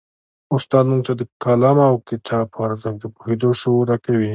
استاد موږ ته د قلم او کتاب په ارزښت د پوهېدو شعور راکوي.